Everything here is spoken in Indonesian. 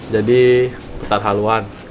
jadi petar haluan